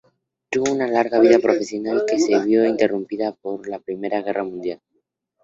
Tuvo una larga vida profesional, que se vio interrumpida por la Primera Guerra Mundial.